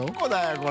これ。